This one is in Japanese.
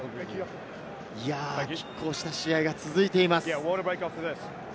拮抗した試合が続いています。